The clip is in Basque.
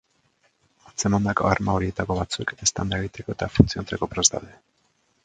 Atzemandako arma horietako batzuek, eztanda egiteko eta funtzionatzeko prest daude.